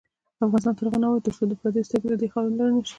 افغانستان تر هغو نه ابادیږي، ترڅو د پردیو سترګې له دې خاورې لرې نشي.